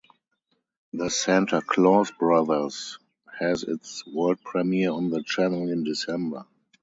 The Santa Claus Brothers has its world premiere on the channel in December.